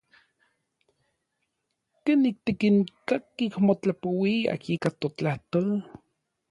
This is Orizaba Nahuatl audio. ¿Kenik tikinkakij motlapouiaj ika totlajtol?